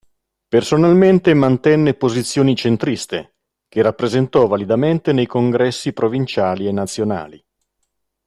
Personalmente mantenne posizioni centriste, che rappresentò validamente nei congressi provinciali e nazionali.